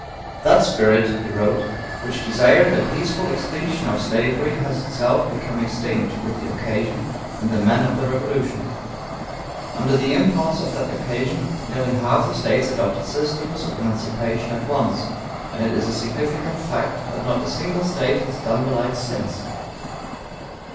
"That spirit," he wrote, "which desired the peaceful extinction of slavery has itself become extinct with the occasion and the men of the Revolution. Under the impulse of that occasion, nearly half the States adopted systems of emancipation at once, and it is a significant fact that not a single State has done the like since.